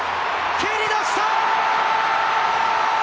蹴り出した！